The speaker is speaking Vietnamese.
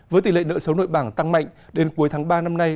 với tỷ lệ nợ xấu nội bảng tăng mạnh đến cuối tháng ba năm nay